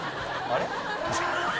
あれ？